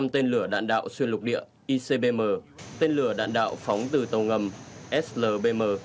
bảy trăm linh tên lửa đạn đạo xuyên lục địa icbm tên lửa đạn đạo phóng từ tàu ngầm slbm